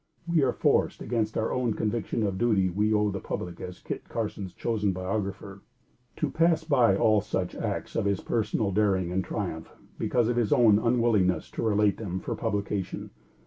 We are forced, against our own conviction of the duty we owe the public as Kit Carson's chosen Biographer, to pass by all such acts of his personal daring and triumph because of his own unwillingness to relate them for publication.